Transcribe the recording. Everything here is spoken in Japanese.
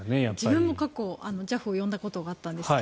自分も過去、ＪＡＦを呼んだことがあったんですが